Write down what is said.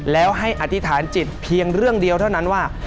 แล้วให้อธิษฐานจิตเพียงเรื่องเดียวเท่านั้นว่า